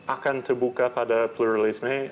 akan terbuka pada pluralisme